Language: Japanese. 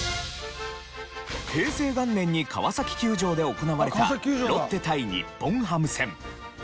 平成元年に川崎球場で行われたロッテ対日本ハム戦。